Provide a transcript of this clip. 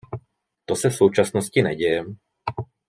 To se v současnosti neděje.